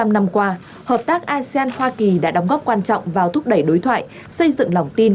bảy mươi năm năm qua hợp tác asean hoa kỳ đã đóng góp quan trọng vào thúc đẩy đối thoại xây dựng lòng tin